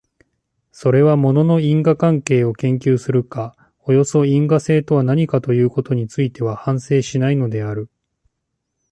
それは物の因果関係を研究するか、およそ因果性とは何かということについては反省しないのである。